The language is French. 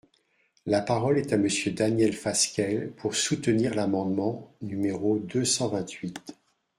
La parole est à Monsieur Daniel Fasquelle, pour soutenir l’amendement numéro deux cent vingt-huit.